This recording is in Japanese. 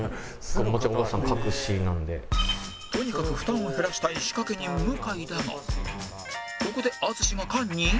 とにかく負担を減らしたい仕掛け人向井だがここで淳が菅に